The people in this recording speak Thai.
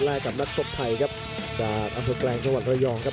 และกับนักกบทัยครับจากอัฐพแกรงสวัสดิ์รายองก์ครับ